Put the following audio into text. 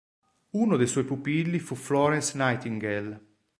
Uno dei suoi pupilli fu Florence Nightingale.